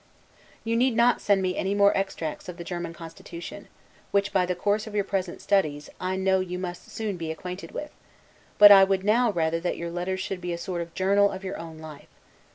You need not send me any more extracts of the German constitution; which, by the course of your present studies, I know you must soon be acquainted with; but I would now rather that your letters should be a sort of journal of your own life.